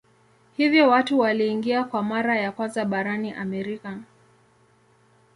Hivyo watu waliingia kwa mara ya kwanza barani Amerika.